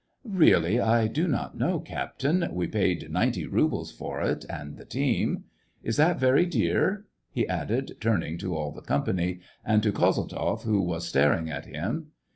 " Really, I do not know, captain ; we paid ninety rubles for it and the team. Is that very dear }" he added, turning to all the company, and to Kozeltzoff, who was staring at him.